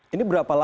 ini berapa lama